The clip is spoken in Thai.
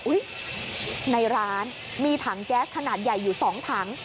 ในร้านมีถังแก๊สขนาดใหญ่อยู่๒ถัง